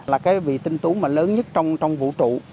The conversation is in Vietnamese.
là cái vị tinh tú mà lớn nhất trong vũ trụ